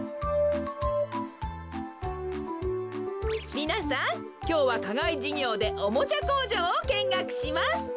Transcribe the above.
みなさんきょうはかがいじゅぎょうでおもちゃこうじょうをけんがくします。